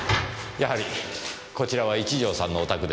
やはりこちらは一条さんのお宅でしたか。